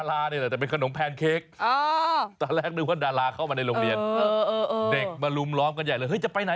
อ้าวดาราเมล็ดจาบหรอ